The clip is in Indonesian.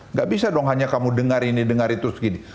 nggak bisa dong hanya kamu dengar ini dengar itu segini